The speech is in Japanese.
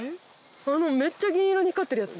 あのめっちゃ銀色に光ってるやつですか？